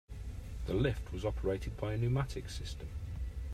The lift was operated by a pneumatic system.